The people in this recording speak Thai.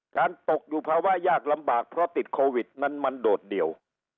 ตกอยู่ภาวะยากลำบากเพราะติดโควิดนั้นมันโดดเดี่ยว